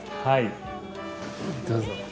はいどうぞ。